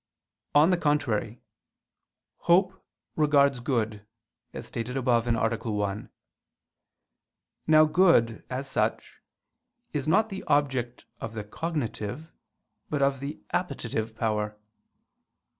On the contrary, Hope regards good, as stated above (A. 1). Now good, as such, is not the object of the cognitive, but of the appetitive power.